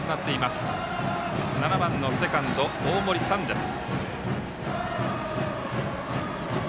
７番のセカンド、大森燦です。